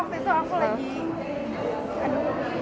nggak pernah waktu itu aku lagi